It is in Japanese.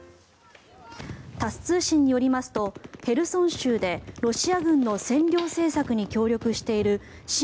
タス通信によりますとヘルソン州でロシア軍の占領政策に協力している親